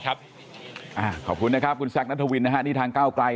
ขอบคุณครับคุณแจกนะธวินทางก้าวกไกล